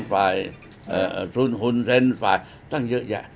ฝ่ายฝุ่นเซนตั้งเยอะแยะ